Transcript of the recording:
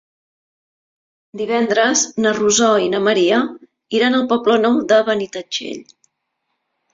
Divendres na Rosó i na Maria iran al Poble Nou de Benitatxell.